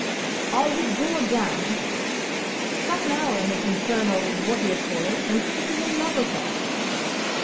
"I'll withdraw 'damned.' Sat an hour in this infernal what d' ye call it, and thinks he 's in love with her."